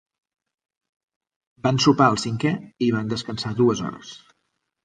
Van sopar al cinquè i van descansar dues hores.